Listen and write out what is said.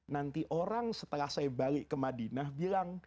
nanti orang setelah saya balik ke madinah bilang